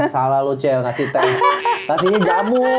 salah lu cel kasih jamu